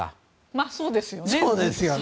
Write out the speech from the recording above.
まあ、そうですよね。